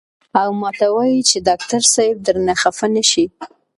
او ماته وائي چې ډاکټر صېب درنه خفه نشي " ـ